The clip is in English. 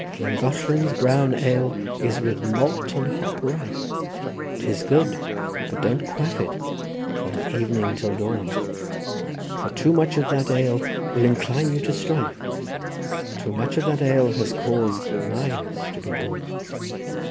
— "'Llangollen's brown ale is with malt and hop rife; 'Tis good; but don't quaff it from evening till dawn; For too much of that ale will incline you to strife; Too much of that ale has caused knives to be drawn.